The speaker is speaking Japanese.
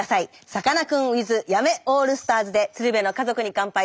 さかなクンｗｉｔｈ八女オールスターズで「鶴瓶の家族に乾杯」